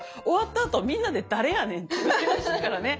あとみんなで「誰やねん？」って言ってましたからね。